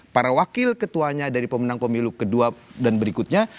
para wakil ketuanya dari pemenang pemilu kedua dan berikutnya